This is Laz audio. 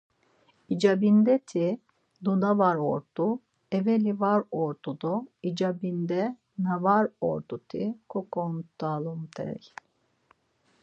İcabindeti do na var ort̆u, eveli var ort̆u do icabinde na var ort̆uti koǩont̆alumt̆ey.